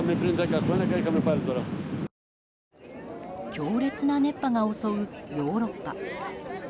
強烈な熱波が襲うヨーロッパ。